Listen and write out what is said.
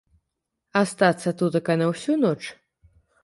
Астацца тутака на ўсю ноч?!